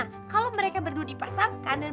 nah kalo mereka berdua dipasangkan bener bener ya